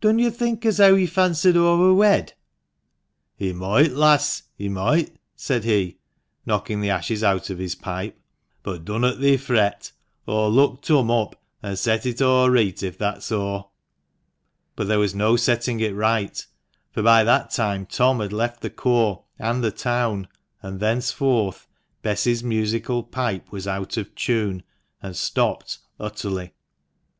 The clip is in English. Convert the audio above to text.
D'un yo' think as heaw he fancied aw wur wed ?"" He moight, lass, he moight," said he, knocking the ashes out of his pipe ;" but dunnot thee fret, aw'll look Turn up, and set it o' reet, if that's o'." But there was no setting it right, for by that time Tom had left the corps and the town, and thenceforth Bess's musical 42 THE MANCHESTER MAN. pipe was out of tune, and stopped utterly.